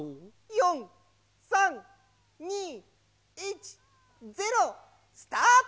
４３２１０スタート！